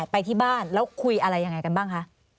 ไปที่บ้านแล้วคุยอะไรยังไงกันบ้างคะ